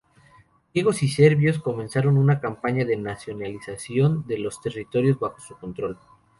Griegos y serbios comenzaron una campaña de nacionalización de los territorios bajo su control.